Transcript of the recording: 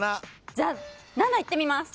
じゃあ７いってみます。